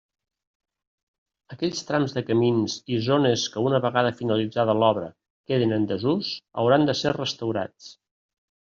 Aquells trams de camins i zones que una vegada finalitzada l'obra queden en desús, hauran de ser restaurats.